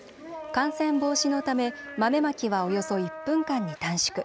感染防止のため豆まきはおよそ１分間に短縮。